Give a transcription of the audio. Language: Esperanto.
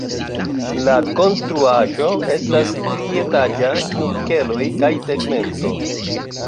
La konstruaĵo estas trietaĝa kun keloj kaj tegmento.